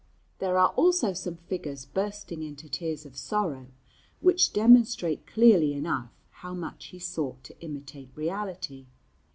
There are also some figures bursting into tears of sorrow, which demonstrate clearly enough how much he sought to imitate reality.